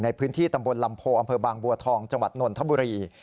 ในพื้นที่ตำบลลำโพอำเภอบางบัวทองจังหวัดนนทบุรี